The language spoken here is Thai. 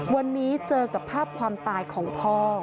วันนี้เจอกับภาพความตายของพ่อ